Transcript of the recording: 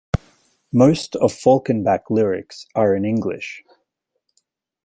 Most of "Falkenbach" lyrics are in English.